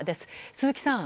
鈴木さん。